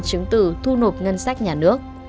chứng từ thu nộp ngân sách nhà nước